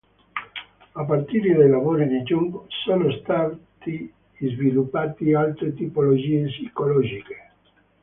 A partire dai lavori di Jung, sono stati sviluppati altre tipologie psicologiche.